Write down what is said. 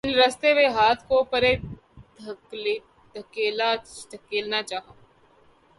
میں نے لرزتے ہوئے ہاتھ کو پرے دھکیلنا چاہا